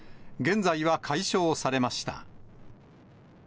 現在は解消されました。